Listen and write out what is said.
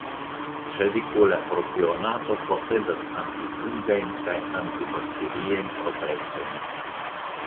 Ŝavikola propionato posedas antifungajn kaj antibakteriajn proprecojn.